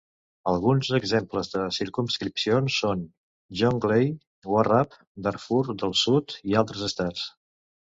Alguns exemples de circumscripcions són Jonglei, Warrap, Darfur del Sud i altres estats.